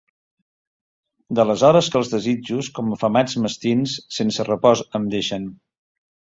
D’aleshores que els desitjos, com afamats mastins, sense repòs em deixen.